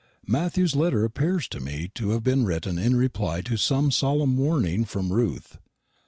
Matthew's letter appears to me to have been written in reply to some solemn warning from Ruth.